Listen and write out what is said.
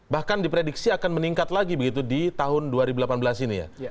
bahkan diprediksi akan meningkat lagi begitu di tahun dua ribu delapan belas ini ya